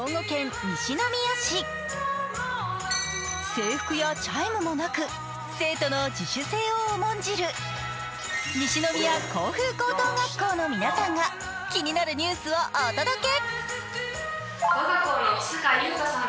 制服やチャイムもなく生徒の自主性を重んじる西宮香風高等学校の皆さんが気になるニュースをお届け。